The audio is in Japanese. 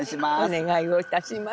お願いをいたします。